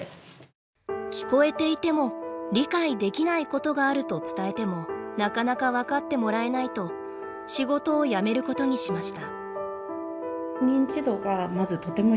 聞こえていても理解できないことがあると伝えてもなかなか分かってもらえないと仕事をやめることにしました。